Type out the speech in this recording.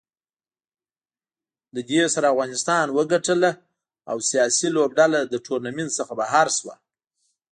له دې سره افغانستان وګټله او سیاله لوبډله له ټورنمنټ څخه بهر شوه